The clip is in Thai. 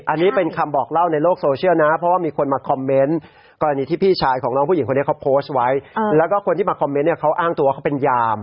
อันนี้เป็นคำบอกเล่าในโลกโซเชียลนะเพราะว่ามีคนมาคอมเมนต์กรณีที่พี่ชายของน้องผู้หญิงคนนี้เขาโพสต์ไว้แล้วก็คนที่มาคอมเมนต์เนี่ยเขาอ้างตัวเขาเป็นยาม